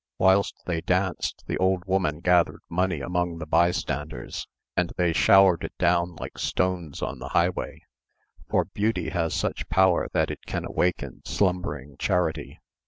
Whilst they danced, the old woman gathered money among the bystanders, and they showered it down like stones on the highway; for beauty has such power that it can awaken slumbering charity.